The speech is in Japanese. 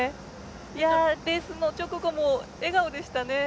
レースの直後も笑顔でしたね。